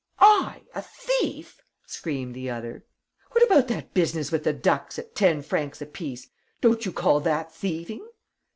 "I, a thief!" screamed the other. "What about that business with the ducks at ten francs apiece: don't you call that thieving?"